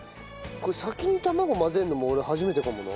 これ先に卵混ぜるのも俺初めてかもな。